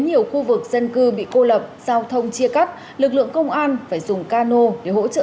nhiều khu vực dân cư bị cô lập giao thông chia cắt lực lượng công an phải dùng cano để hỗ trợ